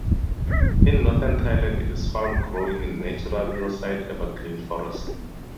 In Northern Thailand it is found growing in natural hillside evergreen forest.